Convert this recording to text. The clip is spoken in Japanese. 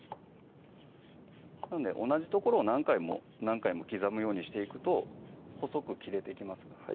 同じ所を何回も何回も刻むようにしていくと細く切れていきますのでは